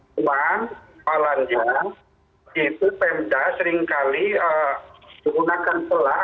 cuman soalnya itu pemda seringkali menggunakan celah